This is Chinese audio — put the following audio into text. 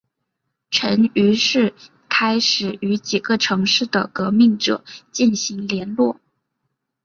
陈于是开始与几个城市的革命者进行联络。